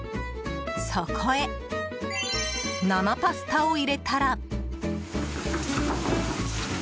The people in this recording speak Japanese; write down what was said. そこへ、生パスタを入れたら。